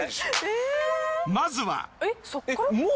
まずは。